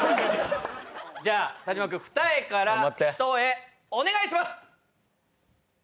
じゃあ田島君二重から一重お願いします！